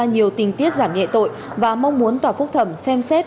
nhiều tình tiết giảm nhẹ tội và mong muốn tòa phúc thẩm xem xét